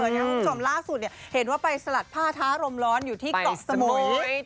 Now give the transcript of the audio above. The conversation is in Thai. นึกจอมล่าสุดเนี่ยเห็นว่าไปสลัดผ้าท้ารมร้อนอยู่ที่เกาะสมุย